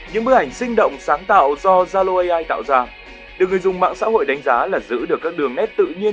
những bức ảnh sinh động sáng tạo do zalo ai tạo ra được người dùng mạng xã hội đánh giá là giữ được các đường nét tự nhiên